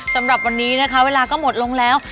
สำหรับวันนี้นะคะเวลาก็หมดลงแล้ว